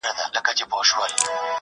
ټول جهان سې غولولای